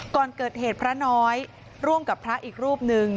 ก่อนเกิดเหตุพระน้อยร่วมกับพระอีกรูปหนึ่ง